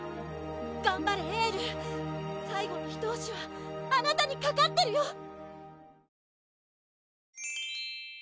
がんばれエール最後のひとおしはあなたにかかってるよ！